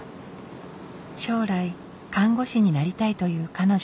将来看護師になりたいという彼女。